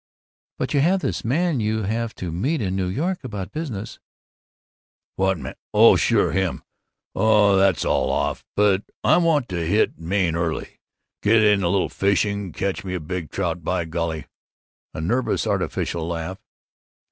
"But you have this man you have to meet in New York about business." "What man? Oh, sure. Him. Oh, that's all off. But I want to hit Maine early get in a little fishing, catch me a big trout, by golly!" A nervous, artificial laugh.